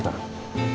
terima kasih pak